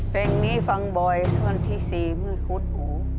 เพลงนี้ฟังบ่อยท่วนที่สี่เมื่อคุดหู